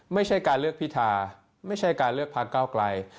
ไม่ใช่การเลือกพิธาไม่ใช่การเลือกพักเก้าไกล